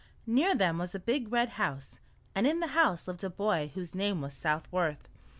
Near them was a big red house, and in the house lived a boy whose name was Southworth.